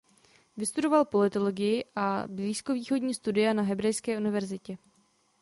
Vystudoval politologii a blízkovýchodní studia na Hebrejské univerzitě.